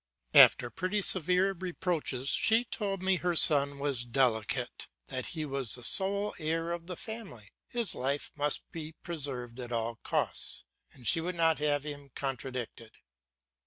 After pretty severe reproaches, she told me her son was delicate, that he was the sole heir of the family, his life must be preserved at all costs, and she would not have him contradicted.